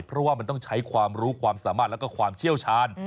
เพราะว่ามันต้องใช้ความรู้ความสามารถแล้วก็ความเชี่ยวชาญ